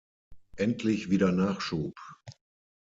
Endlich wieder Nachschub!